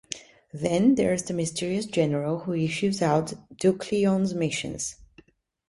Then there's the mysterious General, who issues out Duklyon's missions.